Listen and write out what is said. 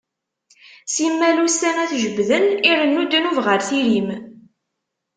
Simmal ussan ad t-jebbden, irennu dnub ɣer tiri-m.